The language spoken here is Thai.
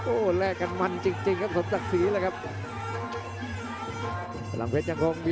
โอ้โหแลกกันมันจริงครับสมศักดิ์ศรีเลยครับ